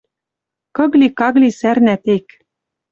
Кыгли-кагли сӓрнӓ тек.